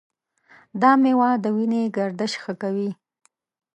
دا میوه د وینې گردش ښه کوي.